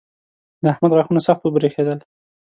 د احمد غاښونه سخت وبرېښېدل.